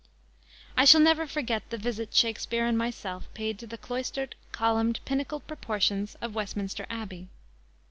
_ I shall never forget the visit Shakspere and myself paid to the cloistered, columned, pinnacled proportions of Westminster Abbey.